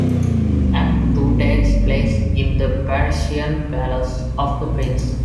Act Two takes place in the Parisian palace of the Prince.